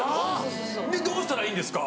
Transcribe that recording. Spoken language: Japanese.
「どうしたらいいんですか？」